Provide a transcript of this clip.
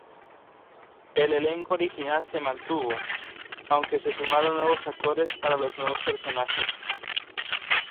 El elenco original se mantuvo, aunque se sumaron nuevos actores para los nuevos personajes.